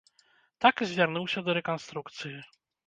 Так і звярнуўся да рэканструкцыі.